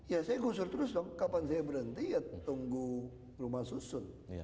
ya saya gusur terus dong kapan saya berhenti ya tunggu rumah susun